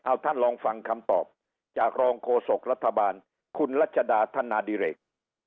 เอาท่านลองฟังคำตอบจากรองโฆษกรัฐบาลคุณรัชดาธนาดิเรก